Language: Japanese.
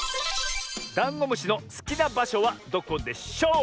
ダンゴムシのすきなばしょはどこでしょう？